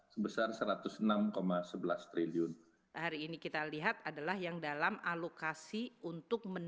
sebesar rp satu ratus enam sebelas triliun hari ini kita lihat adalah yang dalam alokasi untuk